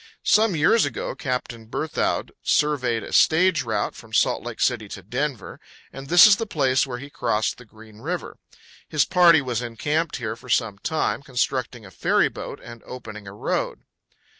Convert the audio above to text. Some years ago Captain Berthoud surveyed a stage route from Salt Lake City to Denver, and this is the place where he crossed the Green River. His party was encamped here for some time, constructing a ferry boat and opening a road.